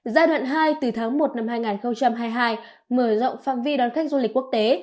giai đoạn hai từ tháng một năm hai nghìn hai mươi hai mở rộng phạm vi đón khách du lịch quốc tế